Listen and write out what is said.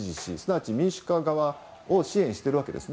つまり民主化側を支援してるわけです。